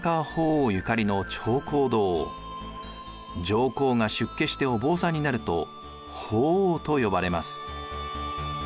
上皇が出家してお坊さんになると法皇と呼ばれます。